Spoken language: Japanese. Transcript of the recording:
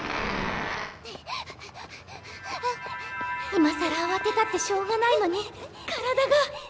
いまさらあわてたってしょうがないのに体が。